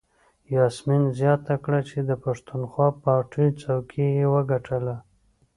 یاسمین زیاته کړه چې د پښتونخوا پارټۍ څوکۍ یې وګټله.